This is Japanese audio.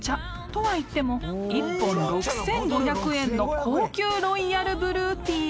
［とはいっても一本６，５００円の高級ロイヤルブルーティー］